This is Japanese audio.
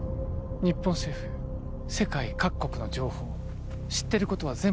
日本政府世界各国の情報知ってることは全部差し出します